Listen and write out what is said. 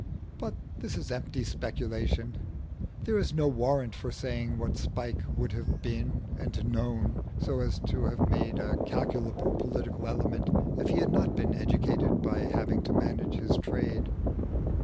But this is empty speculation: there is no warrant for saying what Spike would have been and known so as to have made a calculable political element, if he had not been educated by having to manage his trade.